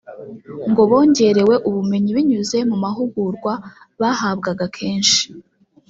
ngo bongerewe ubumenyi binyuze mu mahugurwa bahabwaga kenshi